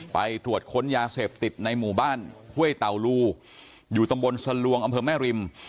ไปตรวจค้นยาเสพติดในหมู่บ้านห้วยเต่ารูอยู่ตำบลสลวงอำเภอแม่ริม